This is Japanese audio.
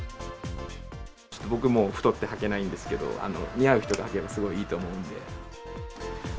ちょっと僕もう太ってはけないんですけど、似合う人がはければすごいいいと思うんで。